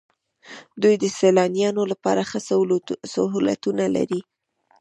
دوی د سیلانیانو لپاره ښه سهولتونه لري.